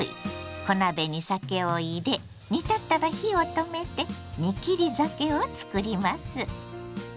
小鍋に酒を入れ煮立ったら火を止めて「煮切り酒」をつくります。